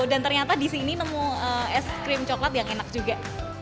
dan ternyata disini nemu ice cream coklat yang enak juga